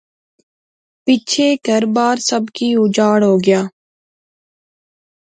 پچھے کہر بار، سب کی اُجاڑ ہو گیا